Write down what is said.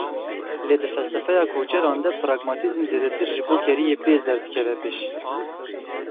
Lê di felsefeya koçeran de pragmatizm zêdetir ji bo keriyê pêz derdikeve pêş.